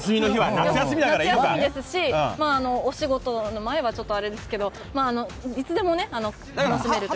夏休みですしお仕事の前はちょっとあれですけどいつでも楽しめるという。